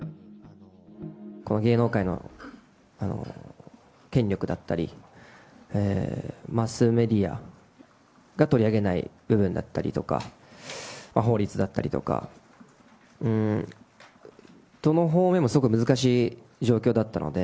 この芸能界の権力だったり、マスメディアが取り上げない部分だったりとか、法律だったりとか、どの方面もすごく難しい状況だったので。